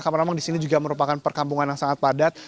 karena memang di sini juga merupakan perkampungan yang sangat padat